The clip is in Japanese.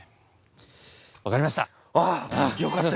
わかりました。